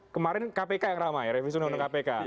kemarin kpk yang ramai revisi undang undang kpk